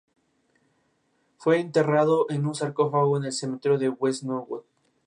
O’Neill llama al planeta y Teal'c le informa de su situación.